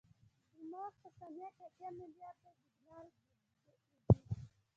دماغ په ثانیه اتیا ملیارده سیګنال لېږي.